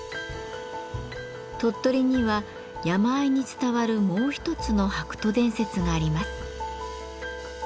鳥取には山あいに伝わるもう一つの白兎伝説があります。